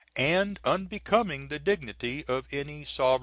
and unbecoming the dignity of any Sov^n.